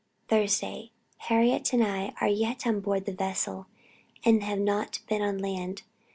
"Thursday. Harriet and I are yet on board the vessel, and have not been on land.